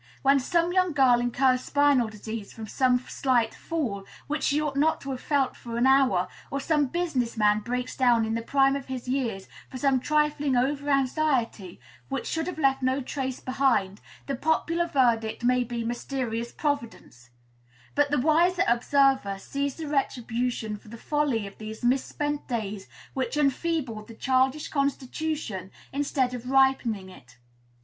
When some young girl incurs spinal disease from some slight fall, which she ought not to have felt for an hour, or some business man breaks down in the prime of his years from some trifling over anxiety, which should have left no trace behind, the popular verdict may be 'Mysterious Providence;' but the wiser observer sees the retribution for the folly of those misspent days which enfeebled the childish constitution instead of ripening it.